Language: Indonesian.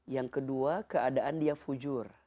yang kedua keadaan dia fujur